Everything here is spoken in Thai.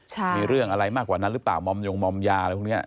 มีเรื่องอะไรมากกว่านั้นหรือเปล่ามอมยงมอมยาอะไรพวกนี้